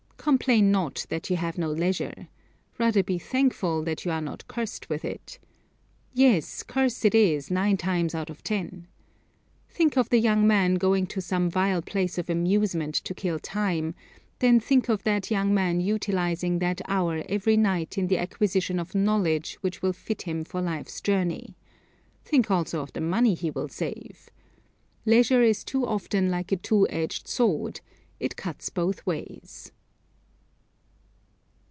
Complain not that you have no leisure. Rather be thankful that you are not cursed with it. Yes, curse it is nine times out of ten. Think of the young man going to some vile place of amusement to kill time, then think of that young man utilizing that hour every night in the acquisition of knowledge which will fit him for life's journey. Think also of the money he will save. Leisure is too often like a two edged sword; it cuts both ways.